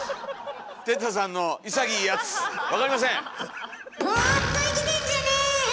哲太さんの潔いやつ「わかりません」。